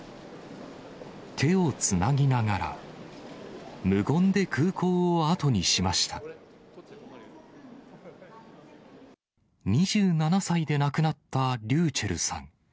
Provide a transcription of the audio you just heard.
手をつなぎながら、無言で空港を２７歳で亡くなったｒｙｕｃｈｅｌｌさん。